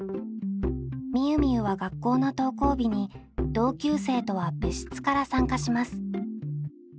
みゆみゆは学校の登校日に同級生とは別室から参加します。